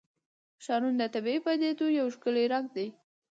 ښارونه د طبیعي پدیدو یو ښکلی رنګ دی.